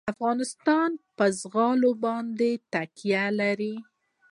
افغانستان په زغال باندې تکیه لري.